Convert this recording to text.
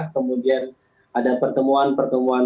kemudian ada pertemuan pertemuan